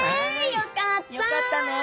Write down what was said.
よかったね。